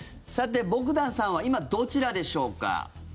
ボグダンさんは今どちらでしょうか？